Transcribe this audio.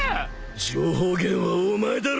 情報源はお前だろ！